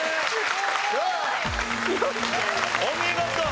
お見事！